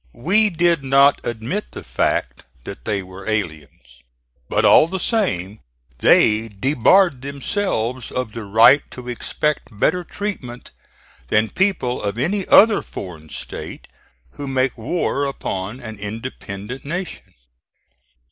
We did not admit the fact that they were aliens, but all the same, they debarred themselves of the right to expect better treatment than people of any other foreign state who make war upon an independent nation.